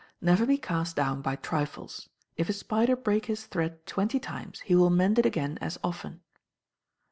Never be cast down by trifles. If a spider break his thread twenty times, he will mend it again as often.